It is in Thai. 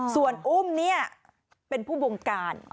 ส่วนอุ้มเนี่ยเป็นผู้บงการ